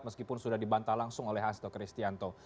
meskipun sudah dibanta langsung oleh hasdo kristianto